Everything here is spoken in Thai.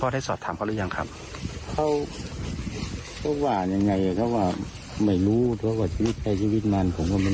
พี่หายประมาณ๔วันใช่ไหมคุณพ่อ